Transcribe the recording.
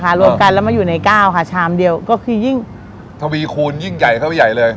รวมกันแล้วมาอยู่ในก้าวค่ะชามเดียวก็คือยิ่งทวีคูณยิ่งใหญ่เข้าไปใหญ่เลย